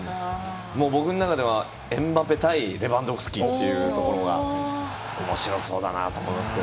僕の中ではエムバペ対レバンドフスキがおもしろそうだなと思います。